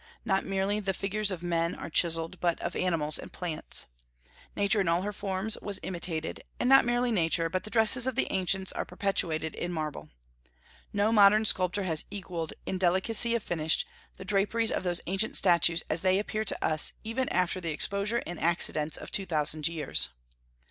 Not merely the figures of men are chiselled, but of animals and plants. Nature in all her forms was imitated; and not merely Nature, but the dresses of the ancients are perpetuated in marble. No modern sculptor has equalled, in delicacy of finish, the draperies of those ancient statues as they appear to us even after the exposure and accidents of two thousand years.